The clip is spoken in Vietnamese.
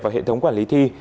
vào hệ thống quản lý thi